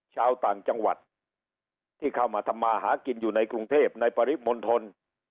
ชาวต่างจังหวัดที่เข้ามาทำมาหากินอยู่ในกรุงเทพในปริมณฑล